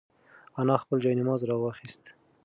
انا خپل جاینماز راواخیست.